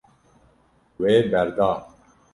Wê berda.